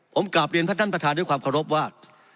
ผมกลับเรียนพระท่านประธานด้วยความเคารพว่า